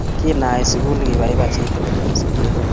Kindait sukul, kibaibai chitukul mising